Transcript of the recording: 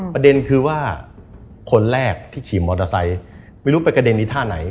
ประเด็นคือว่าคนแรกที่ขี่มอเตอร์ไซค์ไม่รู้ไปกระเด็นอีกท่าไหน